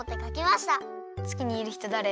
つきにいるひとだれ？